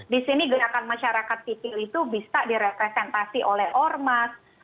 di sini gerakan masyarakat sipil itu bisa direpresentasi oleh ormas